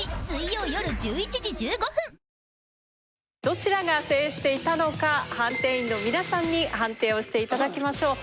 どちらが制していたのか判定員の皆さんに判定をしていただきましょう。